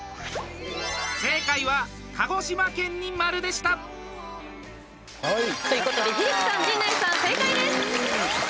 正解は、鹿児島県に丸でした！ということで英樹さん、陣内さん、正解です！